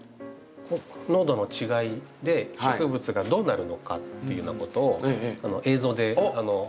濃度の違いで植物がどうなるのかっていうようなことを映像でまとめた実験をしておりますので。